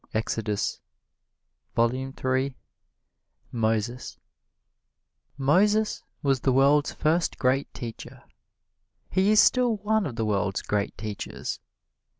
Exodus iii: 14, 15 MOSES Moses was the world's first great teacher. He is still one of the world's great teachers.